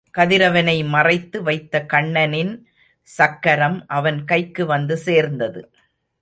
கதிரவனை மறைத்து வைத்த கண்ணனின் சக்கரம் அவன் கைக்கு வந்து சேர்ந்தது.